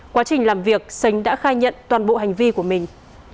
quá trình làm việc sánh đã khai nhận toàn bộ hành vi của mình